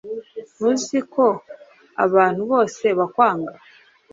ntuzi ko abantu bose bakwanga,